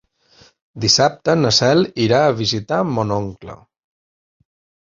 Dissabte na Cel irà a visitar mon oncle.